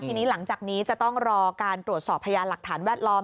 ทีนี้หลังจากนี้จะต้องรอการตรวจสอบพยานหลักฐานแวดล้อม